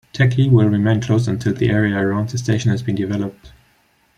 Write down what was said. Teck Lee will remain closed until the area around the station has been developed.